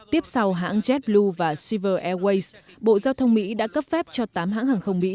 tiếp sau hãng jetblue và silver airways bộ giao thông mỹ đã cấp phép cho tám hãng hàng không mỹ